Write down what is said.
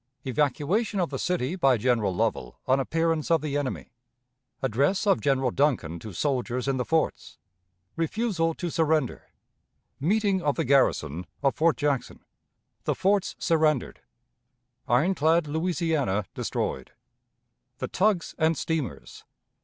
Evacuation of the City by General Lovell on Appearance of the Enemy. Address of General Duncan to Soldiers in the Forts. Refusal to surrender. Meeting of the Garrison of Fort Jackson. The Forts surrendered. Ironclad Louisiana destroyed. The Tugs and Steamers.